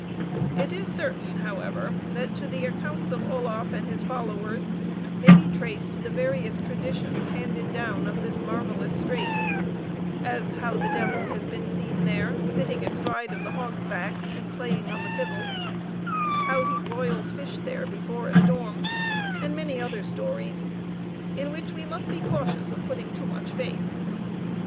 It is certain, however, that to the accounts of Oloffe and his followers may be traced the various traditions handed down of this marvelous strait as how the devil has been seen there, sitting astride of the Hog's Back and playing on the fiddle how he broils fish there before a storm; and many other stories, in which we must be cautious of putting too much faith.